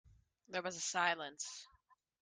There was a silence.